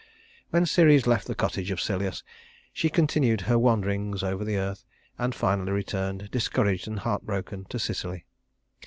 When Ceres left the cottage of Celeus, she continued her wanderings over the earth, and finally returned, discouraged and heartbroken, to Sicily.